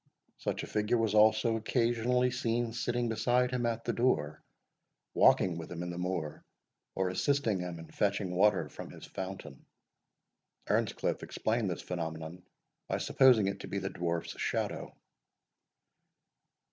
Such a figure was also occasionally seen sitting beside him at the door, walking with him in the moor, or assisting him in fetching water from his fountain. Earnscliff explained this phenomenon by supposing it to be the Dwarf's shadow.